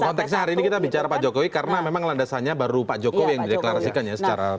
konteksnya hari ini kita bicara pak jokowi karena memang landasannya baru pak jokowi yang dideklarasikan ya secara resmi